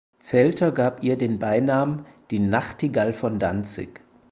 Zelter gab ihr den Beinamen "die Nachtigall von Danzig".